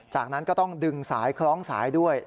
จากนั้นก็ต้องดึงสายคล้องสายด้วย